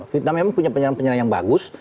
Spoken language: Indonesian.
vietnam memang punya penyerang penyerang yang bagus